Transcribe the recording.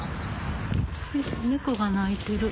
猫が鳴いてる。